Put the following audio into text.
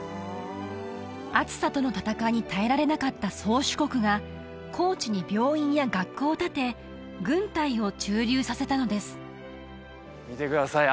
暑さとの闘いに耐えられなかった宗主国が高地に病院や学校を建て軍隊を駐留させたのです見てください